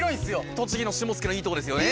栃木の下野のいいとこですよね。